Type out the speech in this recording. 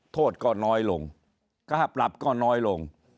โทษก็น้อยลงค่าปรับก็น้อยลง